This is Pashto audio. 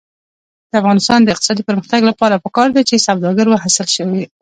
د افغانستان د اقتصادي پرمختګ لپاره پکار ده چې سوداګر وهڅول شي.